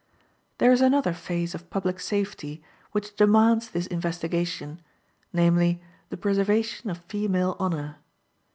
There is another phase of public safety which demands this investigation, namely, the preservation of female honor.